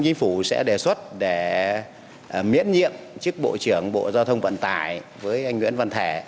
chính phủ sẽ đề xuất để miễn nhiệm chức bộ trưởng bộ giao thông vận tải với anh nguyễn văn thể